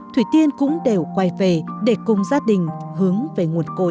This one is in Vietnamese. thủy tiên cũng đều quay về để cùng gia đình hướng về nguồn cội